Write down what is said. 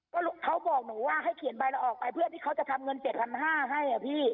ก็เขาบอกหนูว่าให้เขียนใบเราออกไปเพื่อที่เขาจะทำเงิน๗๕๐๐ให้อ่ะพี่